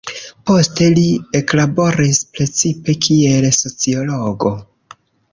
Poste li eklaboris, precipe kiel sociologo.